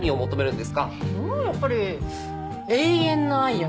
やっぱり永遠の愛よね。